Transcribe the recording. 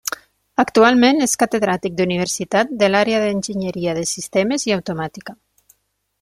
Actualment és Catedràtic d'Universitat de l'àrea d'Enginyeria de Sistemes i Automàtica.